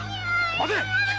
待て！